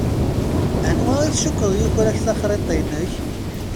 Anwa i tcukkeḍ yuker-ak taxṛiṭ-inek.